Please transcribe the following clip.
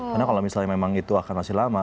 karena kalau misalnya memang itu akan masih lama